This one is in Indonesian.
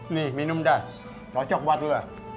nih minum dah cocok buat lu